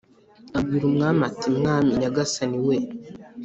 Abwira umwami ati mwami nyagasani we